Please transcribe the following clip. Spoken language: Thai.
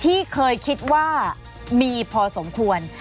ที่เคยคิดว่ามีพอสมควร